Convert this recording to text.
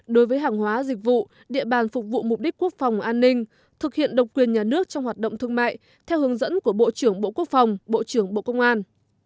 đối với hàng hóa dịch vụ địa bàn phục vụ mục đích quốc phòng an ninh thực hiện độc quyền nhà nước trong hoạt động thương mại theo hướng dẫn của bộ trưởng bộ quốc phòng bộ trưởng bộ công an